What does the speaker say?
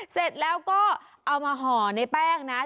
เสร็จแล้วก็เอามาห่อในแป้งนะ